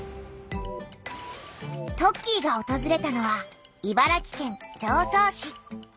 トッキーがおとずれたのは茨城県常総市。